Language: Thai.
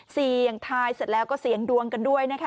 เสี่ยงทายเสร็จแล้วก็เสียงดวงกันด้วยนะคะ